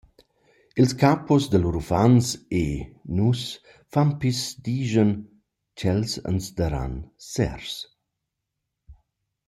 Ils capos da lur uffants e nu’s fan pisdischan ch’els ans daran sers.